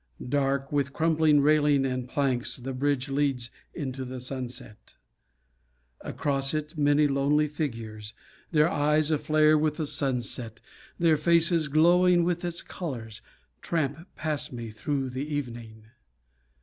Dark, with crumbling railing and planks, The bridge leads into the sunset. Across it many lonely figures, Their eyes a flare with the sunset, Their faces glowing with its colors, Tramp past me through the evening.